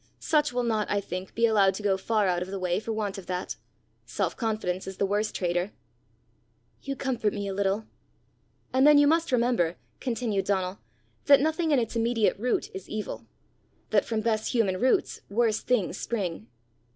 Such will not, I think, be allowed to go far out of the way for want of that. Self confidence is the worst traitor." "You comfort me a little." "And then you must remember," continued Donal, "that nothing in its immediate root is evil; that from best human roots worst things spring.